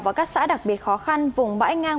và các xã đặc biệt khó khăn vùng bãi ngang